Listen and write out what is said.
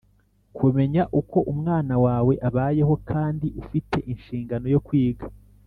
Kumenya uko umwana wawe abayeho kandi ufite inshingano yo kwiga